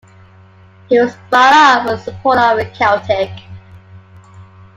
He was brought up a supporter of Celtic.